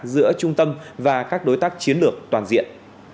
giữa trung tâm và các đối tác chiến lược toàn diện